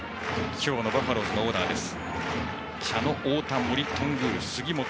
今日のバファローズのオーダーです。